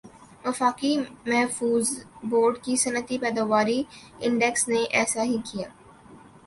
وفاقی محفوظہ بورڈ کے صنعتی پیداواری انڈیکس نے ایسا ہی کِیا